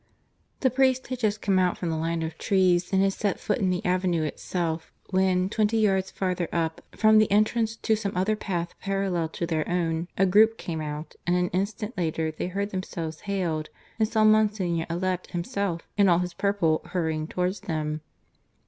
The priests had just come out from the line of trees and had set foot in the avenue itself, when, twenty yards farther up, from the entrance to some other path parallel to their own, a group came out, and an instant later they heard themselves hailed and saw Monsignor Allet himself, in all his purple, hurrying towards them.